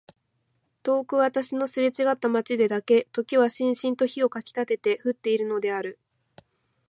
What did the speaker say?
遠く私のすれちがった街でだけ時はしんしんと火をかきたてて降っているのである。